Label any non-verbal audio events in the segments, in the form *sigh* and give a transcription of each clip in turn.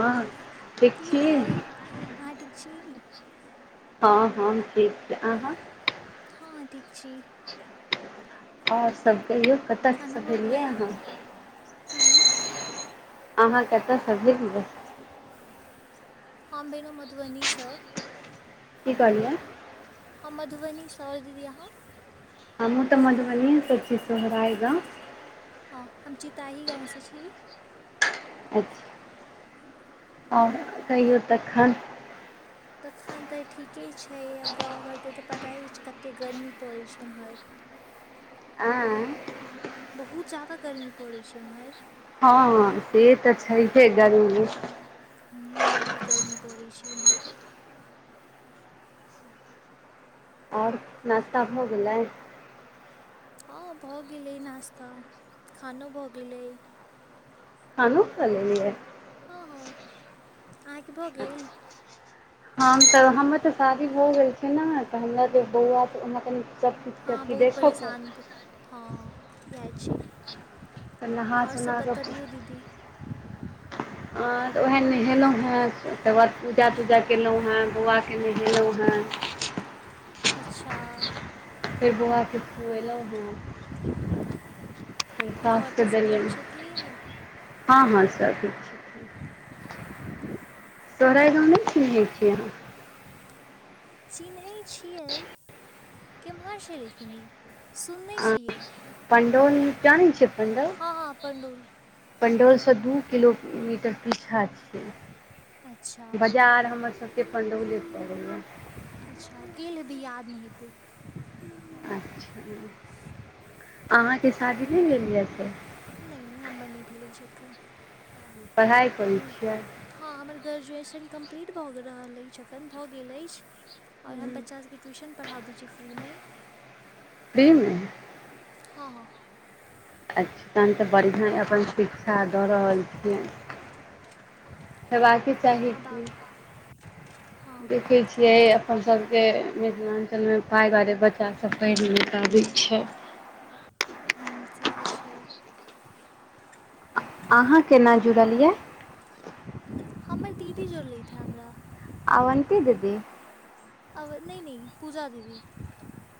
हँ ठीक की छी हाल? अहाँ ठीक छी? हँ हँ हम ठीक छी। अहाँ? हँ ठीक छी। और सब कहियौ? *unintelligible* खाना भऽ गेलै की अहाँ कतऽ सँ भेलियैऽ हम भेलौं मधुबनी सऽ- की कहलियै? हम मधुबनी स और दीदी अहाँ? हमहूँ तऽ मधुबनीये सँ छी सोहराय गाँव हँ हम चितही गाँव सँ छी। अच्छा *unintelligible* आर कहियो तखन? तखन तऽ ठीके छैय अब गाँव घरके तऽ पताये अइछ कत्ते गर्मी पड़ैइ छैय इम्हर। आँय बहुत जादा गर्मी पड़ै छैय एम्हर। हँ से तऽ छैहे गरमी हूँ बहुत गर्मी पड़ै छैय एम्हर। आओर नाश्ता भ गेलैय? हँ भऽ गेलै नास्ता खानो भऽ गेलै। खानोऽ खा लेलियै। हँ- हँ- आंहा के भऽ गेल? हमत- हमर तऽ शादी भऽ गेल छै न तऽ हमरा जे बौआ हमरा कनि सभकिछु हँ अथी बहुत देखयके परेशान क- हँ जाय छी। तऽ नहा और सब सुना कऽ बतबियौ दीदी। हं तऽ वैऽह नहेलौहेँ तकर बाद पूजा- तूजा केलौहें, बौआ के नहेलहुँहेँ अच्छा। फेर बौआ के खुएलौहें। घर पर सब ठीक छथिन? हँ हँ सब ठीक छैय। सोहराय गाँव नेैय चिन्हैय छियै अहां? चिन्है छियै, केम्हर छैय लेकिन इ? सुनने अहाँ छियै, पण्डौल जानै छियै हँ हँ पण्डौल पण्डौल सँ दू किलो-मीटर पीछा छियै। अच्छा बजार हमर सबके पण्डौले पड़ैयैऽ। अच्छा गेल हेबै, याद नैय हेतै। अच्छा, अहाँके शादी नैय भेल यैऽ से? नैइ- नैइ हमर नैय भेल अइछ एख्खन। पढ़ाय करै छियै? हँ हमर ग्रेजुएशन कम्प्लीट भऽ गे-र रहल अइछ अखन भऽ गेल अइछ। और हम बच्चा सबके ट्यूशन पढ़ाबै छी फ्री मे। फ्रीमे? हँ -हँ- अच्छा तहन तऽ बढ़ियां अपन शिक्षा दऽ रहल छियै। हेबाके चाही आब की हँ *unintelligible* हँ देखै छी। यै अपन सबके मिथिलांचल मे पाय द्वारे बच्चा सब पैढ़ नैय पाबै छैय। हूँ सेहा छैय। आहाँ केना जुड़ल याऽ? हमर दीदी जोड़लेैथ हे हमरा। अवनती दीदी? अव नैय- नैय पूजा दीदी *unintelligible*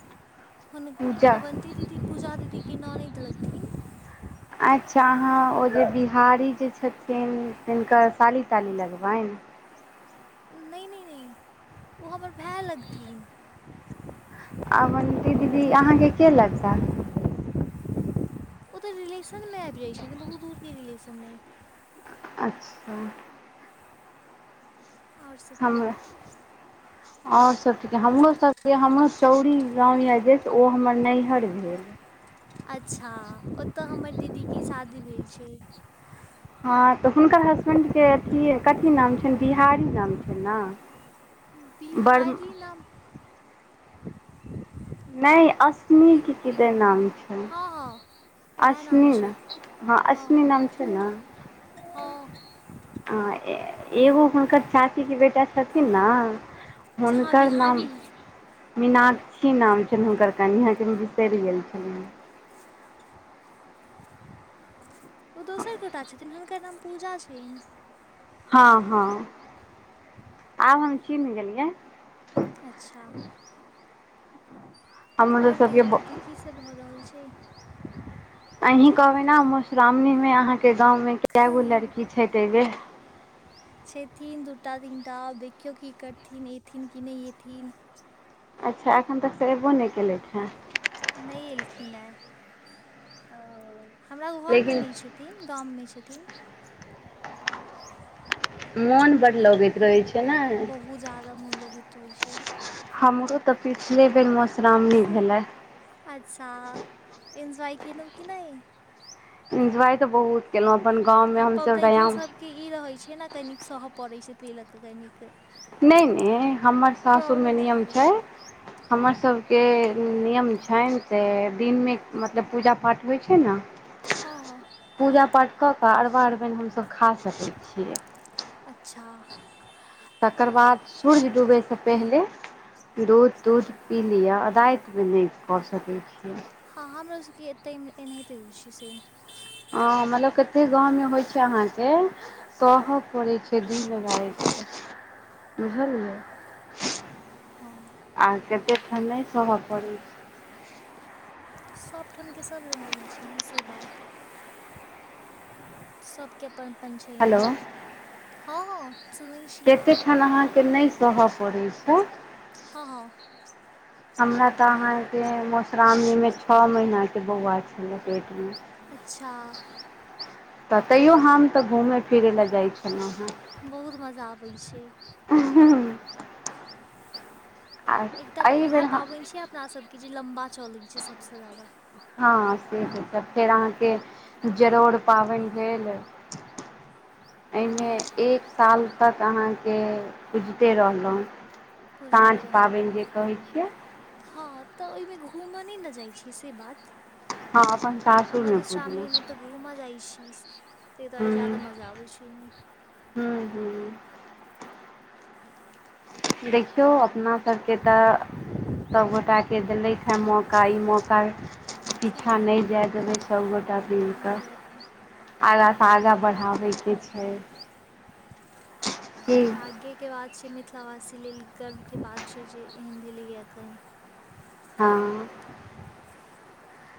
हुन पूजा अवन ती दीदी पूजा दीदी कि ननैद लगथिन। अच्छा आहाँ ओ जे बिहारी जे छथिन तिनकर साली-ताली लगबैन? नैय -नैय-नैय ओ हमर भाए लगथिन। आवनती दीदी आहाँके के लगता? ओतऽ रिलेशनमे अैब जाइत छथिन बहुत दूरके रिलेशन मे। अच्छा आओर सब कहू हमरा *unintelligible* आओर सब ठीक। हमरो सबके हमरो चौरी गाँव यऽ जे ओ हमर नैहर भेल। अच्छा ओतऽ हमर दीदीके शादी भेल छै। हँ तऽ हुनकर हसबैंडके अथी-कथी नाम छैन बिहारी नाम छैन न? बिहारी नाम नहि असमीक बि के किदेन नाम छैन? हँ हँ उएह नाम अशनि ने छै हँ अशनि नाम छै ने हँ *unintelligible* ह एगो हुनकर चाचीके बेटा छथिन न हँ हुनकर नाम बिहारी मीनाक्षी नाम छैन हुनकर कनियाँ के बिसरि गेल छलियऽ। ओ दोसर गोटा छथिन हुनकर नाम पूजा छैन। हँ-हँ आब हम चीन्ह गेलियै अच्छा हमरो ओर सभके कहियो दीदी की सब भऽ रहल छै? अहीँ कहबै ने मधुश्रावणीमे अहाँके गाँवमे कए गो छै लड़की छै तै बेे। छथिन दूटा, तीनटा आब देखियौ की करथिन एथिन कि नैह एथिन। अच्छा एखन तक से एबो नहि केलथि हँ। नहि एलखिन हँ। हमरा घरमे लेकिन नैह छथिन गाममे छथिन। मोन बड्ड लगैत रहै छै। ने बहुत ज्यदा मोन लगईत होइ छै। हमरो तऽ पिछले बेर मधुश्रावणी भेले। अच्छा एन्जॉय केलहुँ कि नै? इन्जॉय तऽ बहुत केलहुँ अपन गामवमे हमसभ रयाम के इ रहे छै ने कनिक सहऽ पड़े छै तय लऽ क कनिक केऽ *unintelligible* नहि-नहि हमर सासुरमे नियम छै हमर हँ सब के नियम छैन से दिनमे मतलब पूजा पाठ होइ छै न। हँ-हँ पूजा पाठ कऽ कऽ अरबा अरबैन हमसभ खा सकै छियै। अच्छा तकर बाद सूर्य डूबयसँ पहिले दूध-तूध पी लिअ, राइत मे नैह कर सकैत छी। हँ हमरो सभ के एतहि एनाहिते होय छै सेम। हँ मतलब कते गाँवमे होइ छै अहाँके। सहऽ पड़ै छै दिन राइत बुझलियै? हँ आ कतेक ठन नय सह ऽ पड़े छय सभठमके सभ रंग होइ छै ने से बात। सभके अपन अपन छैन। हेलो हँ सुनै छी केते ठाम अहाँकेँ नहि सहय पड़ैत छै। हँ -हँ हमरा तऽ अहाँके मधुश्रवणीमे छओ महीनाके बौआ छलै पेटमे। अच्छा तऽ तैयो हम तऽ घूमय फिरै लए जाइ छलहुँ हां। बहुत मजा अबै छै। *unintelligible* एकटा आ तऽ एहि उएह बेर हम पाबैन छियै अपनासभके जे लम्बा चलै छै सभसँ ज्यादा। हँ से तऽ फेर अहाँके जरौर पाबनि भेल। *inaudible* अइ मे एक साल तक अहाँके पुजिते रहलहुँ। साँझ पूजिते रहलौ। पाबनि जे कहै छियै हँ तऽ ओहिमे घूमऽ नहि ने जाय छियै से बात। हम अपन सासुर मे भेजने छी। घूमऽ जाय छी तहि दुआरे ज्यादा मजा आबैत छैय ओहिमे। हू हू देखियौ अपना सबके तऽ सभ गोटाके देलीइथ हँ मौका ई मौका पीछाँ नहि तऽ जाय देबै सब गोटा मिल कऽ आगाँ सँ आगाँ बढ़ाबैके छैय। बहुत भाग्य के बात छैय मिथिलावासी लेल गर्वके बात छैय जे एहन भेलैये एखन। हँ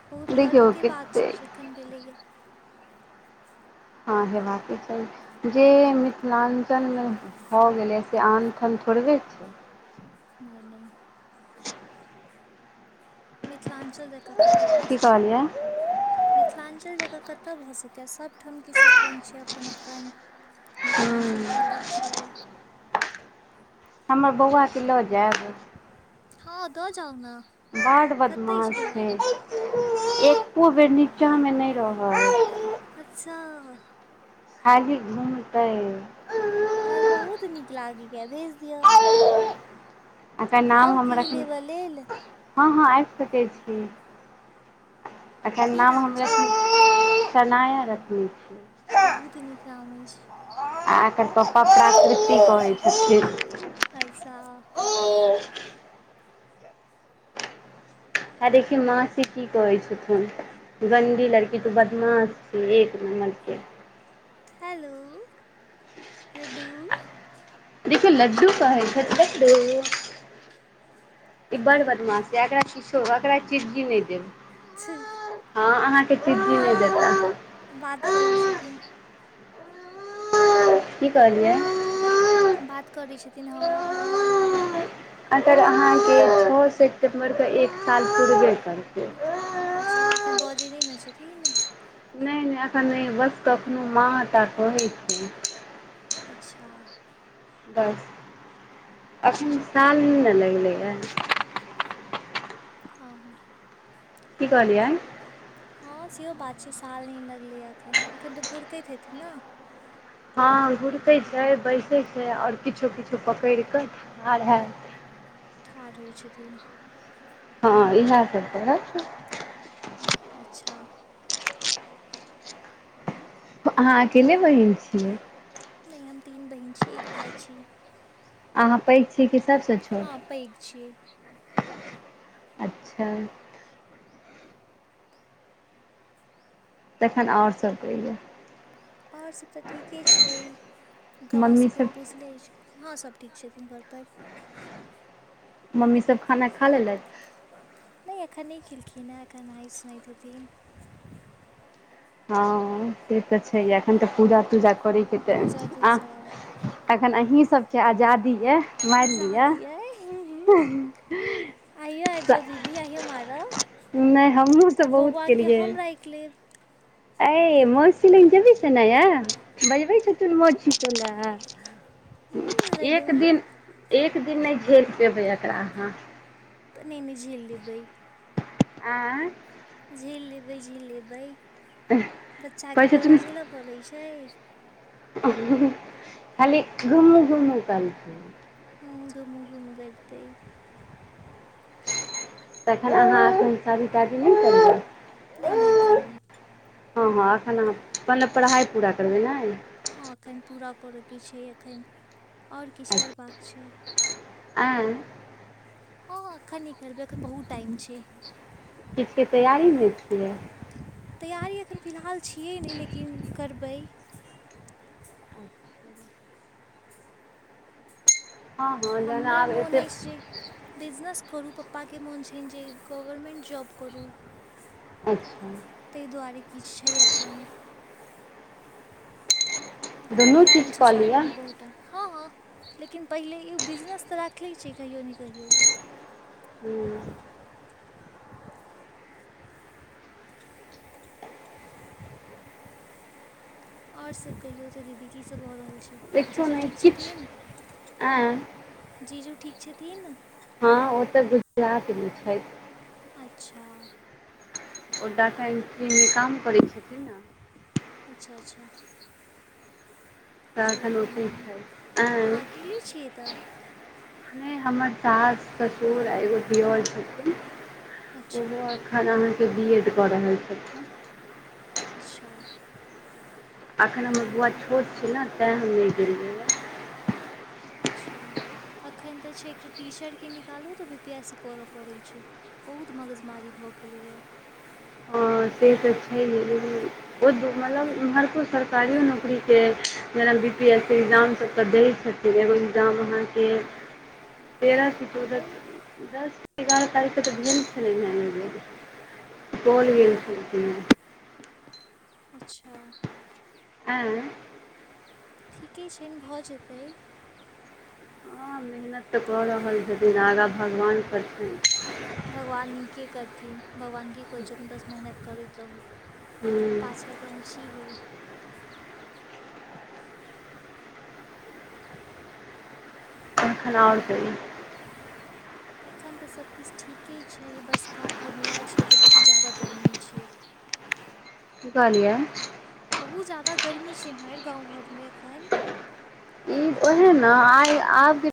बहुत देखियौ गर्वके बात छैय कतेक जखन भेलैये हँ से बात तऽ छैय। जे मिथिलांचल मे भऽ गेलै से आन ठन थोड़बे छैय। नहि -नहि *inaudible* मिथिलांचल जेकाँ कतऽ भऽ की सकैये? कहलियै मिथिलांचल जकाँ कतय भऽ सकैये? सभठाम के सभ रंग छैय अपन अपन। मिथिलांचलके हूँ अलग छैय। हमर बौआके लऽ जायब? हँ दऽ जाउ ने। बड्ड कतऽ अछि बदमाश छैय, घर एको बेर नीचाँ मे नहि रहत। अच्छा खाली घुमतै। हमरा तऽ बहुत नीक लागैयेलिये भेज दिय। एकर नाम आउ हम की रखने लेबऽ लेल। हँ हँ आबि सकै छी अखन की नाम हम रख छै सनाया रखने छी। बहुत नीक नाम अछि। आ ऐकर पपा प्राकृति कहय छथिन्ह। अस्छा। हे देखही मासी की कहय छथुन्ह। गन्दी लड़की तू बदमाश छिही एक नमरके। हेलो। लड्डू देखियो लड्डू कहय छैठ लड्डू। ई बड़ बदमाश ऐ, एकरा किछो एकरा चीजी नहि देब। हं अहाँके चीजी हँ नहि देतथ। बात करै छथिन्ह। की कहलियै। बात करै छथिन्ह हँ-हँ-हँ। अगर अहाँके छह सेप्टेम्बर क एक साल पुरबे करतय। अच्छा एखन बजय नहि न छथिन्ह। नहि -नहि एखन नहि, बस कखनो माँ टा कहै छै। अच्छा। बस, अखन साल नहि ने लगलै हें। हँ हँ। की कहलियै। हँ सेहो बात छै, साल नहि लगलैए एखन, एखन तऽ गुरकैत हेथिन न। हँ गुरकैत छै, बैसै छै, और किछो किछो पकड़ि कऽ ठाढ़ हेत। ठार होइ छथिन। हँ इहे सब करत। हुं अच्छा। अहाँ अकेले बहीन छिय। नइ हम तीन बहिन छी एक भे छी। अहाँ पैघ छी कि सभसँ हँ छोट। पैघ छीय। अच्छा। तखन और सब कहियो। और सब तऽ ठीके छै गाँव मम्मी सबके सब बुझ ले अछि हँ सब ठीक छथिन घरपर। मम्मी सब खाना खा लेलथि। नहि एखन नहि खेलखिन हँ, एखन नहाइ सुनाइत हेथिन। हँ से तऽ छै एखन तऽ पूजा तूजा करै के टाइम पूजा छै आ तूजा एखन अहीं सब के आजादी अय मारि लिए। हे- हें- ह *unintelligible* आययो आबि जाउ दीदी आययो मारब नहि हमहुँ और तऽ बहुत बौआके हम राखि लेब। ऐ मौसी लग जेबही सनाया, बजबै छथिन मौसी तोरा। *inaudible* लड्डू एक दिन एक दिन नहि झेल पेबय एकरा अहाँ। तनी में झेल लेबे। *unintelligible* आँ झेल लेबै, झेल लेबै बच्चाके कहै कोनो झेलय पड़ैत छै। हँ-हँ खाली घुमू-घुमू करतै। ह घूमू-घूमू देखतइ तखन अहाँ एखन शादी-तादी नहि करबै? नहि-नहि एखन नइ। हँ-हँ एखन अहाँ मतलब पढ़ाइ पूरा करबै नइ। हँ एखन पूरा करयके छै अखन, आओर किछु करबाक छै। ऐं हँ-हँ अखन नइ करबै अखन बहुत टाइम छै। किछुके तैयारी में छियै? तैयारी अखन फिलहाल छियै नहि लेकिन करबै। *inaudible* हँ हँ जहन हम्मर आब मोन अछि एतेक जे बिजनेस करू पप्पाके मोन छनि जे गवर्मेंट जॉब करू। अच्छा ताहि दुआरे किछु छै एखन। अखन दुनू टाइम चीज छै कऽ शादी लिअ मे बहुत हँ-हँ लेकिन पहिले इ बिजनेस तऽ राखनेे छी कहियो नहि कहियो। हूँ आओर सभ कहियौ तऽ दीदी कीसभ भऽ रहल छै। देखियौ जीजू ने ठीक छथिन? किछु आँय जीजू ठीक छथिन? हँ ओ तऽ गुजरातमे छैथ। अच्छा ओ डाटा इंट्री के काम करै छथिन ना। अच्छा-अच्छा प्रारथनो कोनो ठीक नहि छै ऐँ अहाँ अकेले छिए तऽ *unintelligible* नहि हमर सास ससुर आ एगो दियर छथिन *unintelligible* अच्छा ओहो अखन अहाँके बी एड कऽ रहल छथिन। अच्छा। *unintelligible* अखन हमर बौआ बहुत नीक छोट छै ने तैं हम नहि गेलियै। अच्छा एखन तऽ छै एकटा टीचर के निकालू तऽ बी पी एस सी करऽ पड़ैत छै। बहुत मगजमारी भऽ गेलैए। *unintelligible* हँ से तऽ छैहे लेकिन *unintelligible* ओ मतलब हर कोइ सरकारियो नौकरीके जेना बी पी एस सी एक्जामसभके दैत छथिन। एगो एग्जाम अहाँके। तेरह से चौदह दस एगारह तारीख के तऽ भेल छलै न ऐ बेर। *unintelligible* सुपौल गेल छलखिन हें। अच्छा एँ। *unintelligible* ठीके छनि भऽ जेतै। हँ मेहनत तऽ कऽ रहल छथिन आगा भगवान करथिन। *unintelligible* भगवान नीके करथिन भगवान की कहैत छथिन बस मेहनत करैत रहू। हुँ पाछा तऽ हम छी ही। तखन आओर कही। एखन तऽ सभकिछ ठीके छै बस गाँव घरमे इएह छै जे बहुत ज्यादा गर्मी छै। की कहलिया? बहुत ज्यादा गर्मी छै भैर गाँव घरमे एखन। ई ओहे नऽ आइ आब के।